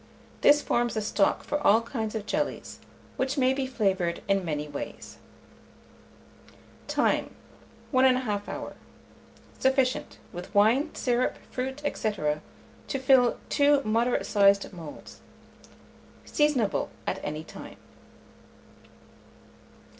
This forms a stock for all kinds of jellies, which may be flavoured in many ways. Time. 1 1/2 hour. Sufficient, with wine, syrup, fruit, &c., to fill two moderate sized moulds. Seasonable at any time.